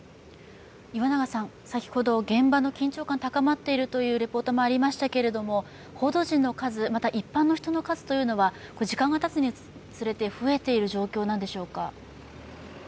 先ほど現場の緊張感高まっているというレポートもありましたけど報道陣の数、また一般の人の数は時間がたつにつれて増えている状況なんでしょうか？